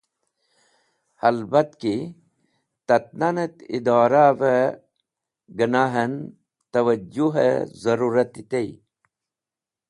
Halbatki, Tat-nan et Idorahve ganahen twajjuhe zarurati tey.